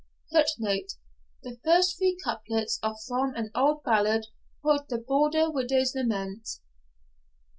[Footnote: The first three couplets are from an old ballad, called the Border Widow's Lament.